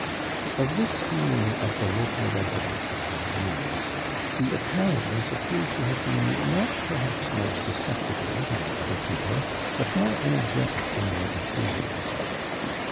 Of this feeling of the local residences of genius, the Italians appear to have been not perhaps more susceptible than other people, but more energetic in their enthusiasm.